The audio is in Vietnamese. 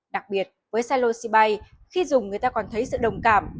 đặc biệt với sailosibay khi dùng người ta còn thấy sự đồng cảm